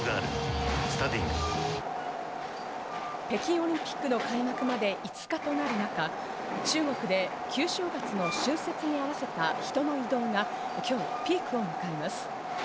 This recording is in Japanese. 北京オリンピックの開幕まで５日となる中、中国で旧正月の春節に合わせた人の移動が今日ピークを迎えます。